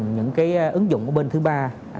những ứng dụng của bên thứ ba